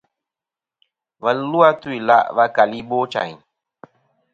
Và lu a tu-ila' va keli Ibochayn.